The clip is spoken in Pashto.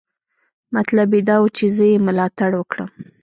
مطلب یې دا و چې زه یې ملاتړ وکړم.